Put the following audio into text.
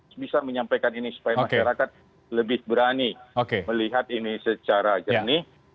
sebisa menyampaikan ini supaya masyarakat lebih berani melihat ini secara jernih